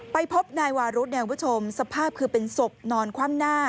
ไปพบนายวารุธสภาพคือเป็นศพนอนคว่ำหน้า